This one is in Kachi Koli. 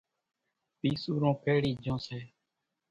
پِيسُورون ڪيڙِي جھون سي۔